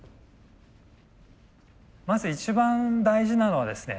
まず一番大事なのはですね